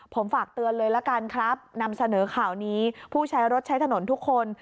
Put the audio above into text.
ผมฝากเตือนเลยละกันครับนำเสนอข่าวนี้ผู้ใช้รถใช้ถนนทุกคน